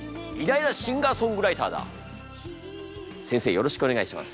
よろしくお願いします。